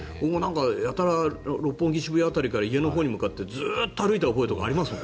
やたら六本木、渋谷辺りから家のほうに向かってずっと歩いた覚えがありますよ。